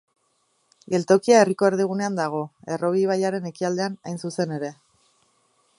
Geltokia herriko erdigunean dago, Errobi ibaiaren ekialdean hain zuzen ere.